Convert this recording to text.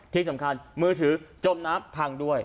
ที่สำคัญมือถือจมน้ำพังด้วย